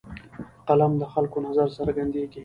په قلم د خلکو نظر څرګندېږي.